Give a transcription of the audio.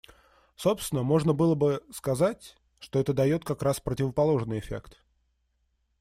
Собственно, можно было бы сказать, что это дает как раз противоположный эффект.